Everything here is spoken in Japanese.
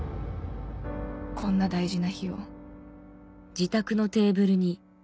こんな大事な日を